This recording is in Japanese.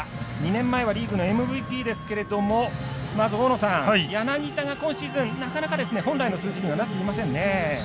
２年前はリーグのＭＶＰですけれどもまず、柳田が今シーズンなかなか本来の数字になっていませんね。